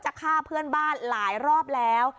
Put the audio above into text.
ฆ่าเพื่อนบ้านหลายรอบแล้ว